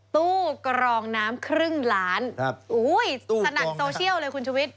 ตู้กรองน้ำครึ่งล้านอุ้ยสนั่นโซเชียลเลยคุณชุวิต